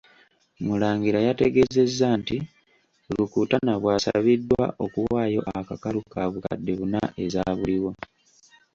Murangira yategeezezza nti, Rukutana bwasabiddwa okuwaayo akakalu ka bukadde buna ezaabuliwo.